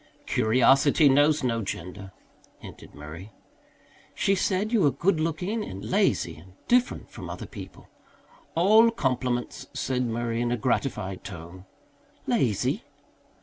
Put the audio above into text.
"Curiosity knows no gender," hinted Murray. "She said you were good looking and lazy and different from other people." "All compliments," said Murray in a gratified tone. "Lazy?"